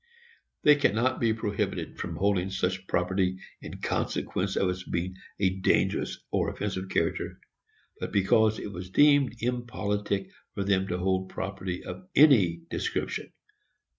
They cannot be prohibited from holding such property in consequence of its being of a dangerous or offensive character, but because it was deemed impolitic for them to hold property of any description.